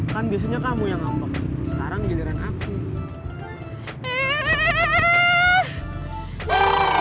kan biasanya kamu yang ngomong sekarang giliran aku